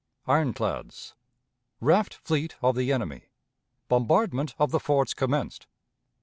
Ironclads. Raft Fleet of the Enemy. Bombardment of the Forts commenced.